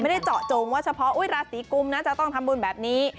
ได้เจาะจงว่าเฉพาะราศีกุมนะจะต้องทำบุญแบบนี้